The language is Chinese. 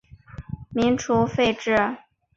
民初废除。